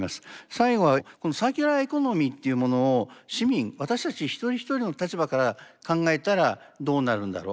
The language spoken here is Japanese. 最後はこの「サーキュラーエコノミー」っていうものを市民私たち一人一人の立場から考えたらどうなるんだろう。